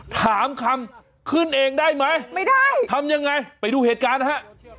ถามคำขึ้นเองได้ไหมไม่ได้ทำยังไงไปดูเหตุการณ์นะฮะ